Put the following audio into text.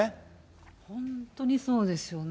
本当にそうですよね。